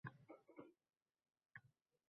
Bu haqda kecha prezident maslahatchisi A